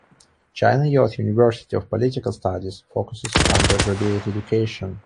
China Youth University of Political Studies focuses on undergraduate education.